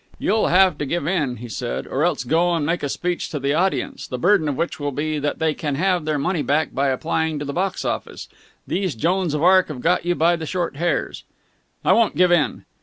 "You'll have to give in," he said, "or else go and make a speech to the audience, the burden of which will be that they can have their money back by applying at the box office. These Joans of Arc have got you by the short hairs!" "I won't give in!"